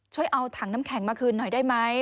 ช่วยเอาถังน้ำแข็งมาคืนหน่อยได้ไหม